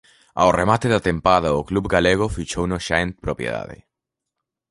Ao remate da tempada o club galego fichouno xa en propiedade.